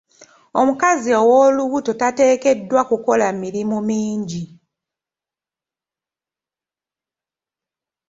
Omukazi ow'olubuto tateekeddwa kukola mirimu mingi.